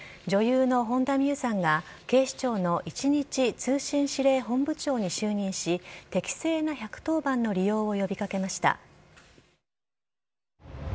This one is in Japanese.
女優の本田望結さんが、警視庁の一日通信指令本部長に就任し、適正な１１０番の利用を呼びかけました。